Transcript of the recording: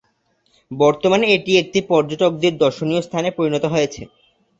বর্তমানে এটি একটি পর্যটকদের দর্শনীয় স্থানে পরিণত হয়েছে।